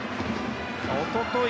おととい